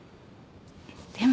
でも。